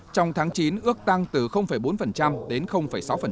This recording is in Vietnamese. trong tháng chín ước tăng từ bốn đến sáu